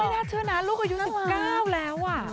ไม่น่าเชื่อนานลูกอายุ๑๙แล้วอ่ะ